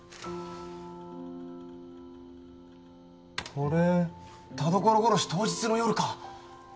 これ田所殺し当日の夜か！